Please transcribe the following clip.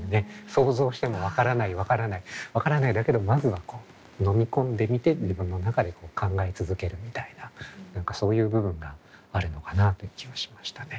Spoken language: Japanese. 想像しても「分からない分からない分からない」だけどまずは飲み込んでみて自分の中で考え続けるみたいな何かそういう部分があるのかなという気もしましたね。